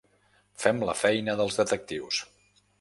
Fem la feina dels detectius.